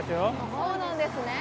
そうなんですね。